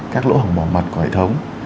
các lỗ hỏng bảo mật của hệ thống